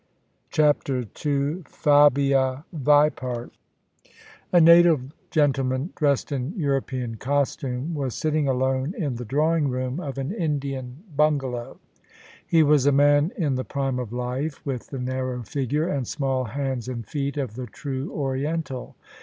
[i6] CHAPTER II FABIA VIPART A NATIVE gentleman, dressed in European costume, was sitting alone in the drawing room of an Indian bungalow. He was a man in the prime of life, with the narrow figure and small hands and feet of the true Oriental.